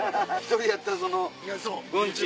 １人やったらそのウンチ。